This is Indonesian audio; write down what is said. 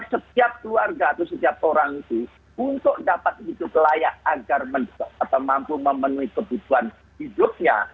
setiap keluarga atau setiap orang itu untuk dapat hidup layak agar mampu memenuhi kebutuhan hidupnya